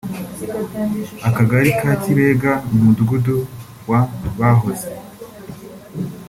Akagari ka Kibenga mu Mudugudu wa Bahoze